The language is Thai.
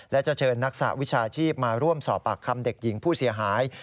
และจะเชิญนักสหวิชาชีพมาร่วมสอบปากคำเด็กหญิงผู้เสียหาย